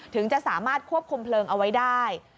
ถึงจะสามารถควบคุมเพลิงเอาไว้ได้